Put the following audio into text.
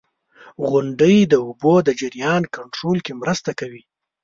• غونډۍ د اوبو د جریان کنټرول کې مرسته کوي.